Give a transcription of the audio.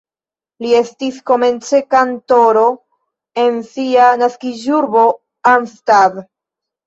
Li estis komence kantoro en sia naskiĝurbo Arnstadt.